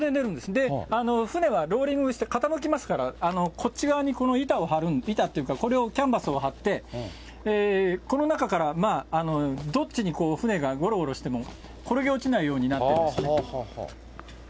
で、船はローリングして傾きますから、こっち側にこの板を張る、板っていうか、これを、キャンバスを張って、この中からどっちに船がごろごろしても転げ落ちないようになっているんですね。